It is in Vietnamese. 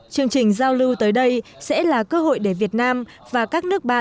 chương trình giao lưu tới đây sẽ là cơ hội để việt nam và các nước bạn